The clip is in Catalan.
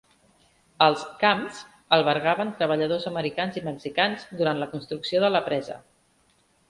Els "camps" albergaven treballadors americans i mexicans durant la construcció de la presa.